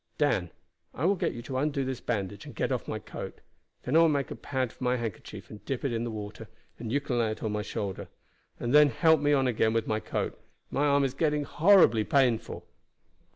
"Dan, I will get you to undo this bandage and get off my coat; then I will make a pad of my handkerchief and dip it in the water and you can lay it on my shoulder, and then help me on again with my coat. My arm is getting horribly painful."